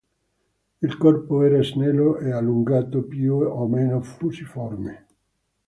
Il corpo era snello e allungato, più o meno fusiforme.